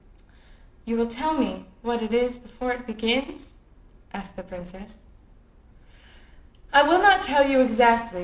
"You will tell me what it is before it begins?" said the princess. "I will not tell you exactly.